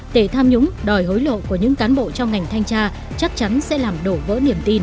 tệ tham nhũng đòi hối lộ của những cán bộ trong ngành thanh tra chắc chắn sẽ làm đổ vỡ niềm tin